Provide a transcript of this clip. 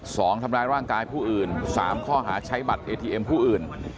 สองทำร้ายร่างกายผู้อื่นสามข้อหาใช้บัตรเอทีเอ็มผู้อื่น